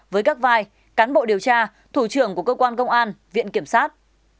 với các vai cán bộ điều tra thủ trưởng của cơ quan công an viện kiểm sát